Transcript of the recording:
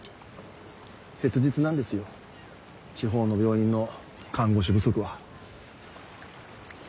切実なんですよ地方の病院の看護師不足は。